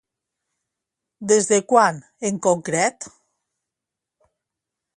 Des de quan, en concret?